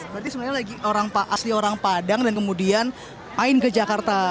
berarti sebenarnya lagi asli orang padang dan kemudian main ke jakarta